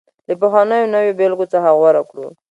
له پخوانيو او نویو بېلګو څخه غوره کړو